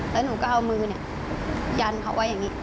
แล้วหนูก็เอามือยันเขาไว้อย่างนี้